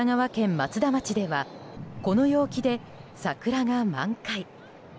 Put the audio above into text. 松田町ではこの陽気で桜が満開。